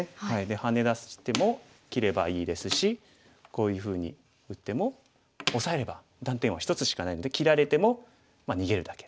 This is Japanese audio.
ハネ出しても切ればいいですしこういうふうに打ってもオサえれば断点は１つしかないので切られても逃げるだけ。